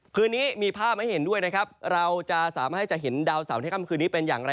คืนนี้มีภาพให้เห็นด้วยนะครับเราจะสามารถให้จะเห็นดาวเสาร์ในค่ำคืนนี้เป็นอย่างไร